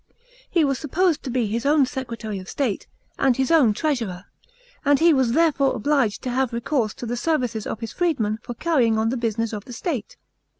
He was supposed to be his own secretary of state and his own treasurer; and he was therefore obliged to have recourse to the services of his freedmen for carrying on the business of ihe state.